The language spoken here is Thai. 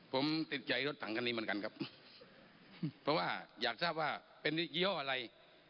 ผมติดใจรถถังคันนี้เหมือนกันครับเพราะว่าอยากทราบว่าเป็นยี่ห้ออะไร